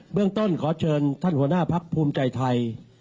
เรื่องต้นขอเชิญท่านหัวหน้าพักภูมิใจไทย